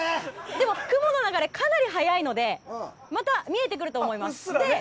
でも雲の流れかなり速いのでまた、見えてくると思います。